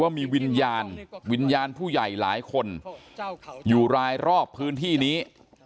มีวิญญาณวิญญาณผู้ใหญ่หลายคนอยู่รายรอบพื้นที่นี้